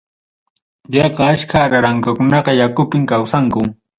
Yaqa achka Ararankakunaqa yakupim kawsanku.